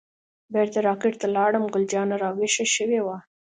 بیرته را کټ ته لاړم، ګل جانه راویښه شوې وه.